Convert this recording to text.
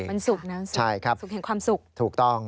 มันสุขนะสุขเห็นความสุขนะครับใช่ครับถูกต้อง